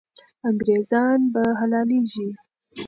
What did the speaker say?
انګریزان به حلالېږي.